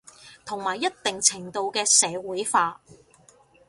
同埋一定程度嘅社會化